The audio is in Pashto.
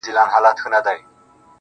شعرونه دي هر وخت د ملاقات راته وايي~